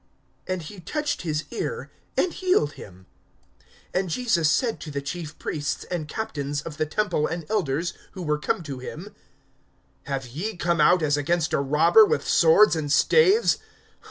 And he touched his ear, and healed him. (52)And Jesus said to the chief priests and captains of the temple and elders, who were come to him: Have ye come out as against a robber, with swords and staves?